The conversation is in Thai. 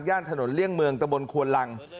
ถนนเลี่ยงเมืองตะบนควนลัง